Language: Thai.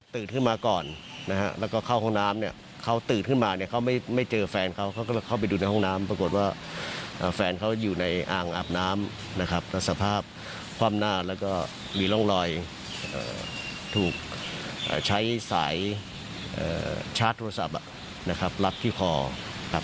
ขึ้นมาก่อนนะฮะแล้วก็เข้าห้องน้ำเนี่ยเขาตื่นขึ้นมาเนี่ยเขาไม่เจอแฟนเขาเขาก็เข้าไปดูในห้องน้ำปรากฏว่าแฟนเขาอยู่ในอ่างอาบน้ำนะครับแล้วสภาพคว่ำหน้าแล้วก็มีร่องรอยถูกใช้สายชาร์จโทรศัพท์นะครับรับที่คอครับ